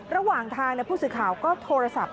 ระหว่างทางผู้สื่อข่าวก็โทรศัพท์